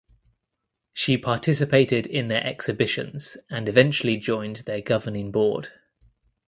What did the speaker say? She participated in their exhibitions and eventually joined their governing board.